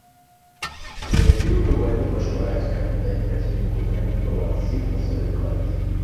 Прэвентыўную вайну пачынаюць, каб не даць праціўніку змяніць баланс сіл на сваю карысць.